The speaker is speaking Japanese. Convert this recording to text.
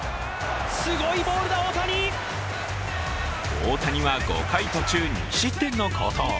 大谷は５回途中２失点の好投。